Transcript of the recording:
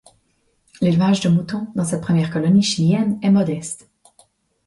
L'élevage de moutons dans cette première colonie chilienne est modeste.